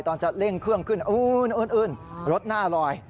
ตอนจะเร่งเครื่องขึ้นอื้นรถหน้าลอย